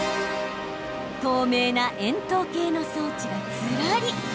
透明な円筒形の装置が、ずらり。